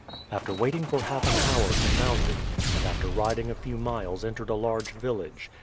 After waiting for half an hour he mounted, and after riding a few miles entered a large village.